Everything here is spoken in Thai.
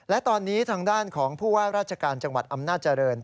และตอนนี้ทางด้านของผู้ว่าราชการจังหวัดอำนาจริง